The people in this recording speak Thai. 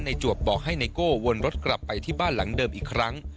จวบบอกให้ไนโก้วนรถกลับไปที่บ้านหลังเดิมอีกครั้ง